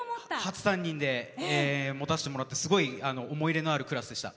初担任で持たせてもらって思い入れのあるクラスでした。